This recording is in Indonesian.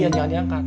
iya jangan diangkat